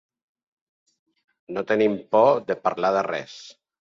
No tenim por de parlar de res.